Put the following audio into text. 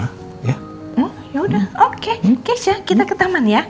oh yaudah oke chef kita ke taman ya